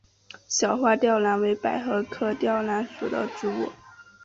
小花吊兰为百合科吊兰属的植物。